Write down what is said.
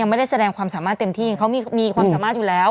ไม่ได้แสดงความสามารถเต็มที่เขามีความสามารถอยู่แล้ว